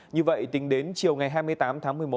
như vậy tính đến chiều ngày hai mươi tám tháng một mươi một